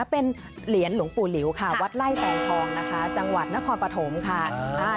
เป็นเหรียญหลวงปู่หลิวค่ะวัดไล่แตงทองนะคะจังหวัดนครปฐมค่ะ